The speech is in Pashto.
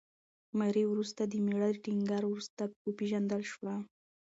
ماري وروسته د مېړه د ټینګار وروسته وپېژندل شوه.